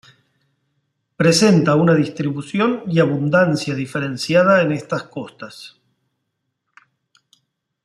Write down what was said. Presenta una distribución y abundancia diferenciada en estas costas.